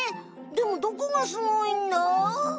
でもどこがスゴいんだ？